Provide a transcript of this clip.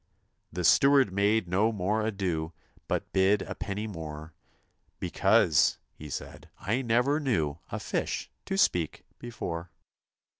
The steward made no more ado But bid a penny more, * Because,' he said, ' I never knew A fish to speak before.'